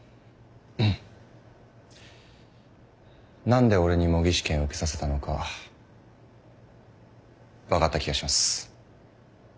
何で俺に模擬試験受けさせたのか分かった気がします。